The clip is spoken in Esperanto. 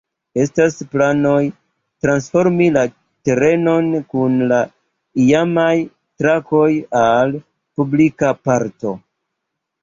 Estas planoj transformi la terenon kun la iamaj trakoj al publika parko.